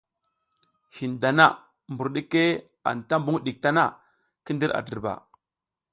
Hin dana mbur ɗike anta mbuƞ ɗik tana, ki ndir a dirba.